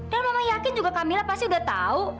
dan mama yakin juga camilla pasti udah tahu